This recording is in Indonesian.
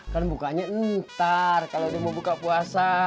kan bukanya ntar kalau dia mau buka puasa